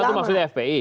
ulama itu maksudnya fpi